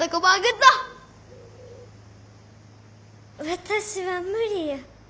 私は無理や。